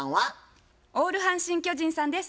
オール阪神・巨人さんです。